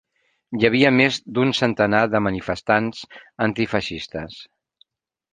Hi havia més d'un centenar de manifestants antifeixistes.